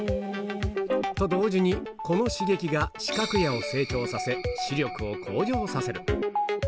と同時に、この刺激が視覚野を成長させ、視力を向上させる。